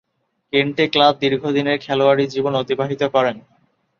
কেন্টে club দীর্ঘদিনের খেলোয়াড়ী জীবন অতিবাহিত করেন।